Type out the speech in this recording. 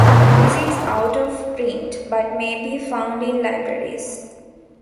This is out of print but may be found in libraries.